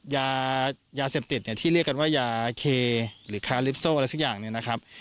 ยาเสพติดเนี่ยที่เรียกกันว่ายาเคหรือคาลิปโซ่อะไรสักอย่างเนี่ยนะครับ